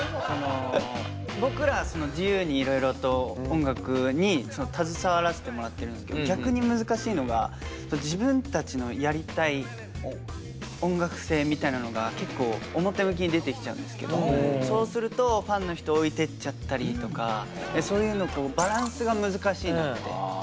僕ら自由にいろいろと音楽に携わらせてもらってるんですけど逆に難しいのが自分たちのやりたい音楽性みたいなのが結構表向きに出てきちゃうんですけどそうするとファンの人置いてっちゃったりとかそういうのバランスが難しいなって結構思ってて。